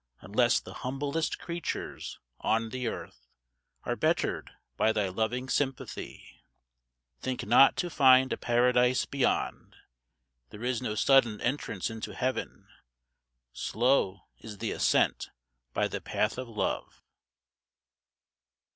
Unless the humblest creatures on the earth Are bettered by thy loving sympathy Think not to find a Paradise beyond. There is no sudden entrance into Heaven. Slow is the ascent by the path of Love.